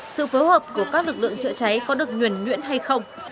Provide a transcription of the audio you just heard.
sự phối hợp của các lực lượng chữa cháy có được nhuẩn nhuyễn hay không